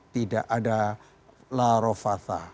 tidak ada la rofatha